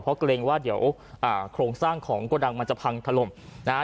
เพราะเกรงว่าเดี๋ยวอ่าโครงสร้างของกระดังมันจะพังถล่มนะฮะ